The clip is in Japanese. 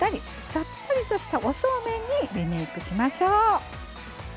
さっぱりとした、おそうめんにリメイクしましょう。